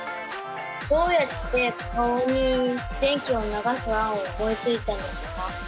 どうやって顔に電気を流す案を思いついたんですか？